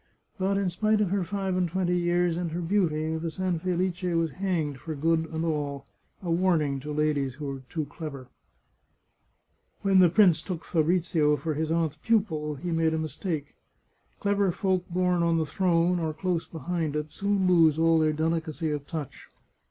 But, in spite of her five and twenty years and her beauty, the San Felice was hanged for good and all — a warning to ladies who are too clever !" When the prince took Fabrizio for his aunt's pupil he 141 The Chartreuse of Parma made a mistake. Clever folk born on the throne, or close behind it, soon lose all their delicacy of touch.